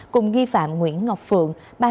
cùng nghi phạm nguyễn ngọc phượng